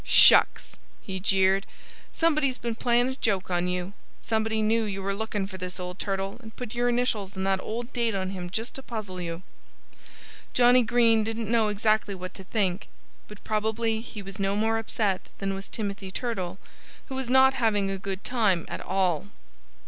"Shucks!" he jeered. "Somebody's been playin' a joke on you. Somebody knew you were lookin' for this old turtle and put your initials and that old date on him just to puzzle you." Johnnie Green didn't know exactly what to think. But probably he was no more upset than was Timothy Turtle, who was not having a good time at all.